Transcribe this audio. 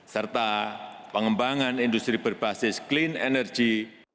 serta pengembangan industri berbasis clean energy